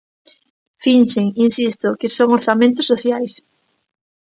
Finxen, insisto, que son orzamentos sociais.